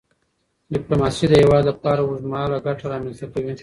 ډیپلوماسي د هیواد لپاره اوږدمهاله ګټه رامنځته کوي.